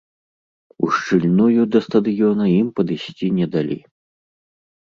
Ушчыльную да стадыёна ім падысці не далі.